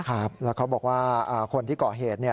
ครับแล้วเขาบอกว่าคนที่เกาะเหตุ